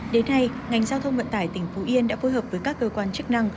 đến nay ngành giao thông vận tải tỉnh phú yên đã phối hợp với các cơ quan chức năng